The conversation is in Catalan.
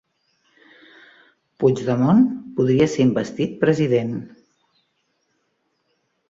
Puigdemont podria ser investit president